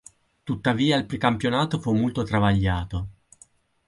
Tuttavia il precampionato fu molto travagliato.